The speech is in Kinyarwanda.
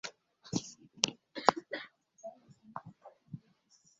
Divayi nziza niyo ishaje, amazi meza ni mashya